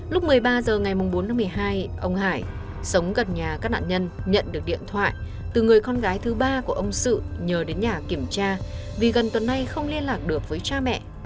lúc một mươi ba h ngày bốn tháng một mươi hai ông hải sống gần nhà các nạn nhân nhận được điện thoại từ người con gái thứ ba của ông sự nhờ đến nhà kiểm tra vì gần tuần nay không liên lạc được với cha mẹ